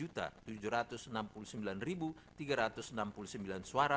dan enam belas tujuh ratus enam puluh sembilan tiga ratus dua puluh lima